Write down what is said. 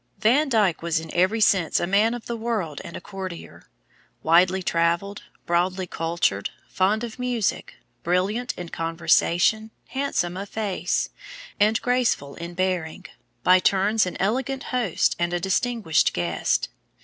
Van Dyck was in every sense a man of the world and a courtier; widely travelled, broadly cultured, fond of music, brilliant in conversation, handsome of face, and graceful in bearing, by turns an elegant host and a distinguished guest.